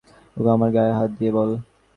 ওগো আমার গায়ে হাত দিয়ে বল।